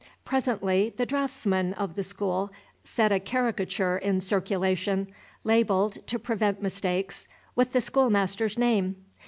Presently the draughtsman of the school set a caricature in circulation, labelled, to prevent mistakes, with the schoolmaster's name.